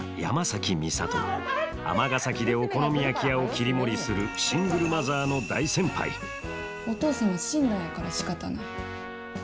尼崎でお好み焼き屋を切り盛りするシングルマザーの大先輩お父さんは死んだんやからしかたない。